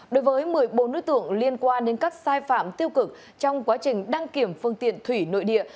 đối với một mươi bốn nối tượng liên quan đến các sai phạm tiêu cực trong quá trình đăng kiểm phương tiện thủy nội địa